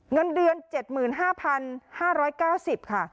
เงินเดือนเจ็ดหมื่นห้าพันห้าร้อยเก้าสิบค่ะ